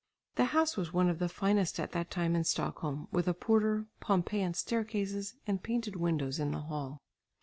The house was one of the finest at that time in Stockholm with a porter, Pompeian stair cases and painted windows in the hall.